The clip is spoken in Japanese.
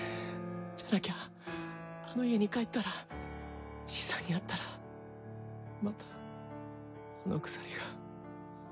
じゃなきゃあの家に帰ったらじいさんに会ったらまたあの鎖が。